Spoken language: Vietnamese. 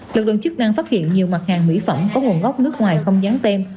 luật đơn chức năng phát hiện nhiều mặt hàng mỹ phẩm có nguồn gốc nước ngoài không dán tem